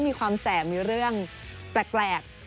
มีความแสบมีเรื่องแปลก